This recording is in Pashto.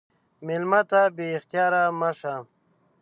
مېلمه ته بې اختیاره مه شه.